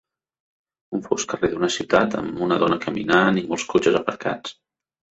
Un fosc carrer d'una ciutat amb una dona caminant i molts cotxes aparcats.